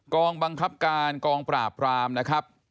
กองบังคับการกองปราบรามนะครับ